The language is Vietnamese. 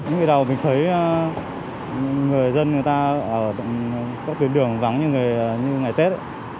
ngày đầu mình thấy người dân người ta có tuyến đường vắng như ngày tết